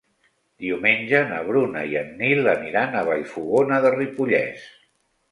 Diumenge na Bruna i en Nil aniran a Vallfogona de Ripollès.